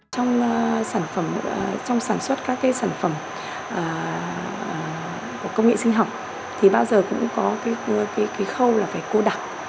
trong sản xuất các sản phẩm của công nghệ sinh học thì bao giờ cũng có cái khâu là phải cô đặc